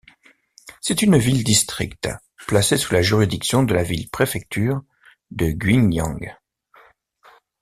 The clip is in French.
C'est une ville-district placée sous la juridiction de la ville-préfecture de Guiyang.